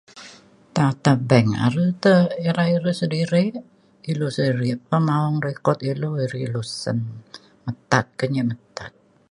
ta ata bank are te irai re sediri ilu se'iri pa maong rekut ilu iri lu sen metat ka nyi metat.